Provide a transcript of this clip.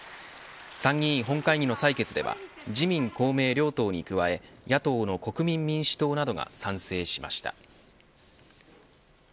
参議院本会議の採決では自民、公明両党に加え野党の国民民主党などが賛成しました。